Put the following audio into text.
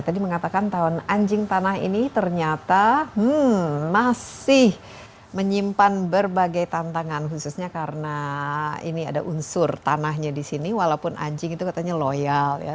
tadi mengatakan tahun anjing tanah ini ternyata masih menyimpan berbagai tantangan khususnya karena ini ada unsur tanahnya di sini walaupun anjing itu katanya loyal ya